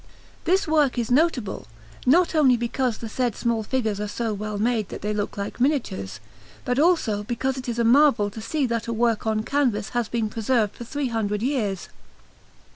This work is notable, not only because the said small figures are so well made that they look like miniatures, but also because it is a marvel to see that a work on canvas has been preserved for three hundred years.